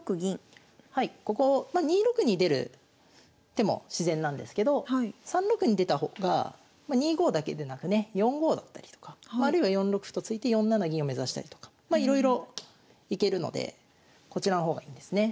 ここ２六に出る手も自然なんですけど３六に出た方がま２五だけでなくね４五だったりとかあるいは４六歩と突いて４七銀を目指したりとかまいろいろ行けるのでこちらの方がいいんですね。